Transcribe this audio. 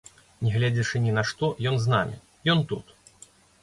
Нягледзячы ні на што ён з намі, ён тут.